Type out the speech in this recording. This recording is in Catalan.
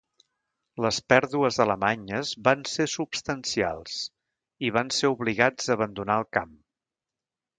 Les pèrdues alemanyes van ser substancials i van ser obligats a abandonar el camp.